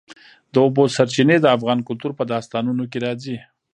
د اوبو سرچینې د افغان کلتور په داستانونو کې راځي.